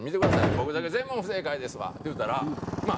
「僕だけ全問不正解ですわ」って言うたらまあ